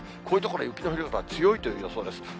こういう所は、雪の降る量が強いという予想です。